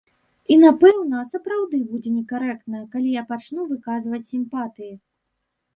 І, напэўна, сапраўды будзе некарэктна, калі я пачну выказваць сімпатыі.